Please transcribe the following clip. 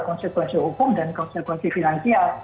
konsekuensi hukum dan konsekuensi finansial